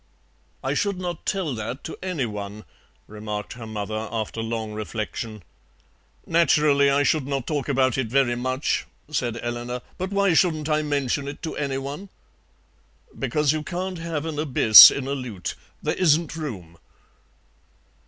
"I should not tell that to anyone," remarked her mother, after long reflection. "Naturally, I should not talk about it very much," said Eleanor, "but why shouldn't I mention it to anyone?" "Because you can't have an abyss in a lute. There isn't room."